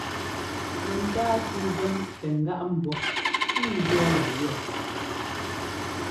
Mɛntáatʉ́ zɛ́m tɛ ŋ́gáꞌ mbɔ́ pʉ́ʉ jʉɔ́ lá lʉ̈ɔ́p!